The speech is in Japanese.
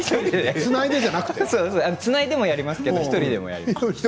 つないでもやりますけれども１人でもやります。